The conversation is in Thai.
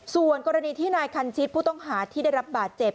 ส่วนกรณีที่นายคันชิดผู้ต้องหาที่ได้รับบาดเจ็บ